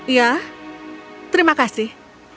ya terima kasih